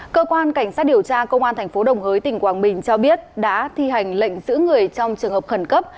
cơ quan cảnh sát điều tra công an tp đồng hới tỉnh quảng bình cho biết đã thi hành lệnh giữ người trong trường hợp khẩn cấp